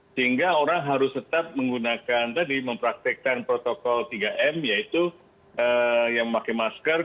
sehingga orang harus tetap menggunakan tadi mempraktekkan protokol tiga m yaitu yang memakai masker